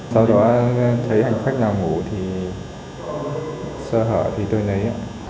sau đó thấy hành khách nào ngủ thì sơ hở thì tôi lấy